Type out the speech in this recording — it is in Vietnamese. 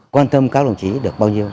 quan tâm các đồng chí được bao nhiêu